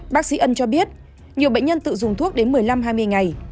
bác sĩ ân cho biết nhiều bệnh nhân tự dùng thuốc đến một mươi năm hai mươi ngày